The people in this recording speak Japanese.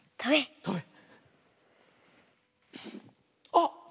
あっ！